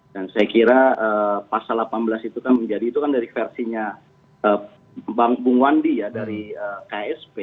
dan saya kira pasal delapan belas itu kan menjadi itu kan dari versinya bang bung wandi ya dari ksp